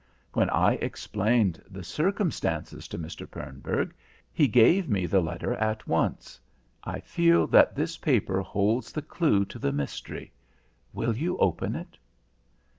When I explained the circumstances to Mr. Pernburg, he gave me the letter at once. I feel that this paper holds the clue to the mystery. Will you open it?"